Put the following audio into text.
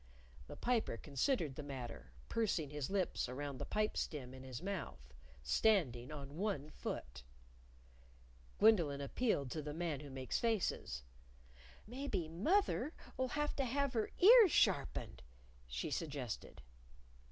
The Piper considered the matter, pursing his lips around the pipe stem in his mouth; standing on one foot. Gwendolyn appealed to the Man Who Makes Faces. "Maybe moth er'll have to have her ears sharpened," she suggested.